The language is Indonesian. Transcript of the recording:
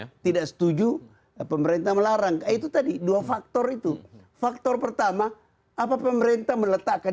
saya tidak setuju pemerintah melarang itu tadi dua faktor itu faktor pertama apa pemerintah meletakkan